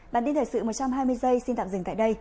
bản tin thời sự một trăm hai mươi giây xin tạm dừng tại đây